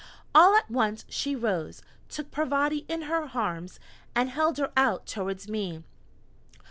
All at once she rose, took Parvati in her arms, and held her out towards me.